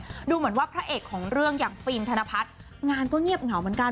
ดูเหมือนว่าพระเอกของเรื่องอย่างฟิล์มธนพัฒน์งานก็เงียบเหงาเหมือนกัน